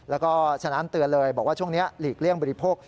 แล้วก็ฉะนั้นเตือนเลยบอกว่าช่วงนี้หลีกเลี่ยงบริโภค